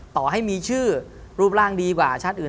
ต่อให้มีชื่อรูปร่างดีกว่าชาติอื่น